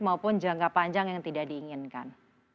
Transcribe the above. maupun jangka panjang yang tidak diinginkan